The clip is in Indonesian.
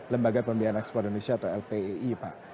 lembaga pembiayaan ekspor indonesia atau lpei pak